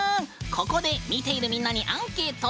ここで見ているみんなにアンケート。